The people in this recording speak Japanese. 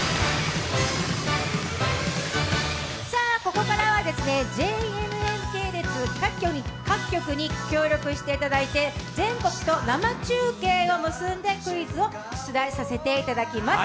ここからはＪＮＮ系列各局に協力していただいて全国と生中継を結んでクイズを出題させていただきます。